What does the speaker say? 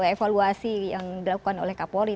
evaluasi yang dilakukan oleh kapolri